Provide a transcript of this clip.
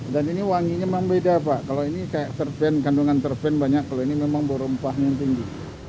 dan ini wanginya memang beda pak kalau ini kayak terpen kandungan terpen banyak kalau ini memang berrempahnya yang tinggi